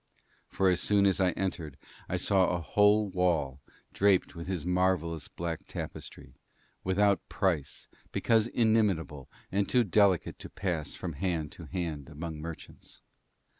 For as soon as I entered, I saw a whole wall draped with his marvellous black tapestry, without price because inimitable and too delicate to pass from hand to hand among merchants.